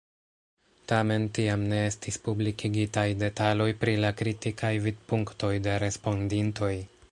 Tamen tiam ne estis publikigitaj detaloj pri la kritikaj vidpunktoj de respondintoj.